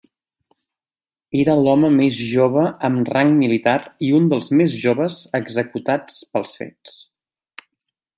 Era l'home més jove amb rang militar i un dels més joves executats pels fets.